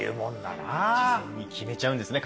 事前に決めちゃうんですね